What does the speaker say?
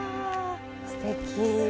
すてき。